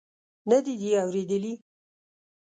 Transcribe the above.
نه دې دي اورېدلي.